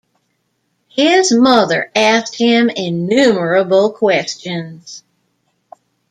His mother asked him innumerable questions.